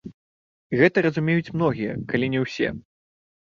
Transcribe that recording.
Гэта разумеюць многія, калі не ўсе.